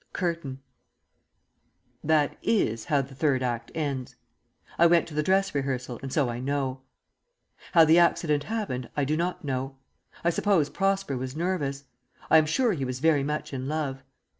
_ CURTAIN. That is how the Third Act ends. I went to the dress rehearsal, and so I know. How the accident happened I do not know. I suppose Prosper was nervous; I am sure he was very much in love.